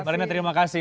marina terima kasih